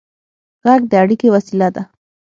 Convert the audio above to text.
غږ د اړیکې وسیله ده.